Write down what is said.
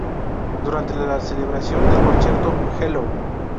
Durante la celebración del concierto Hello!